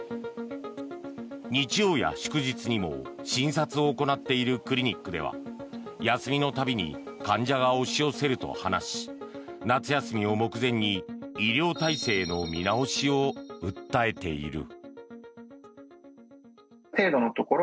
日曜や祝日にも診察を行っているクリニックでは休みの度に患者が押し寄せると話し夏休みを目前に医療体制の見直しを訴えている。